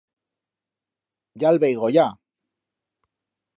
Ya el veigo, ya.